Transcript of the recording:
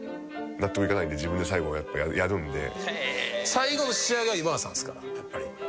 最後の仕上げは今田さんですからやっぱり。